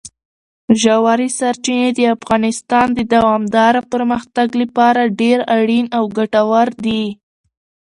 ژورې سرچینې د افغانستان د دوامداره پرمختګ لپاره ډېر اړین او ګټور دي.